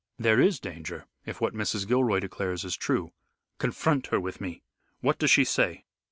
"There is danger if what Mrs. Gilroy declares is true." "Confront her with me. What does she say?"